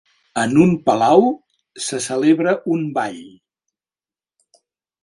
En un palau se celebra un ball.